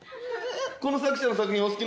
この作者の作品お好き？